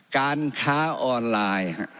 การค้าออนไลน์